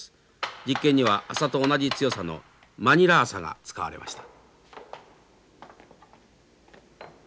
実験には麻と同じ強さのマニラ麻が使われました。